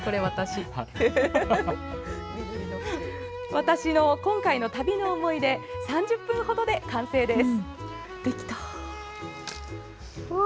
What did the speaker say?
私の今回の旅の思い出３０分程で完成です！